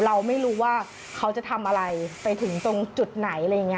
เราไม่รู้ว่าเขาจะทำอะไรไปถึงตรงจุดไหน